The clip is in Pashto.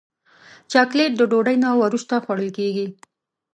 چاکلېټ د ډوډۍ نه وروسته خوړل کېږي.